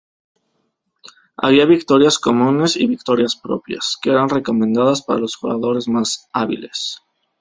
Había victorias comunes y victorias propias, que eran recomendadas para los jugadores más hábiles.